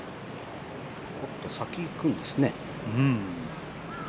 おっと先行くんですね。